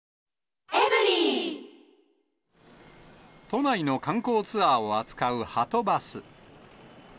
都内の観光ツアーを扱うはとバス。